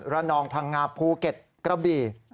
นองพังงาภูเก็ตกระบี่